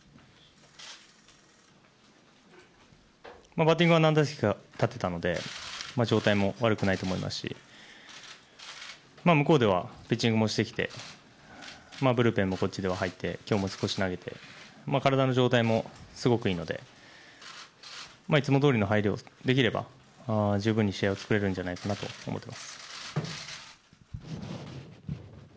バッティングは何打席か立てたので状態も悪くないと思いますし向こうではピッチングもしてきてブルペンもこっちでは入って今日も少し投げて、体の状態もすごくいいのでいつもどおりの入りができれば十分に試合が作れるんじゃないかと思っています。